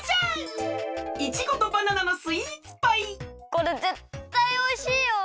これぜったいおいしいよ！